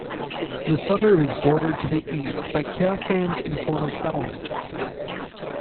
The suburb is bordered to the east by Kya Sands Informal Settlement.